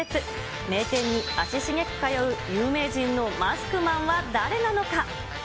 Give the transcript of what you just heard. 名店に足しげく通う有名人のマスクマンは誰なのか。